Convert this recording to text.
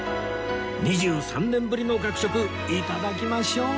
２３年ぶりの学食頂きましょう！